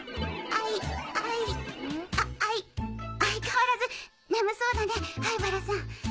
相変わらず眠そうだね灰原さん。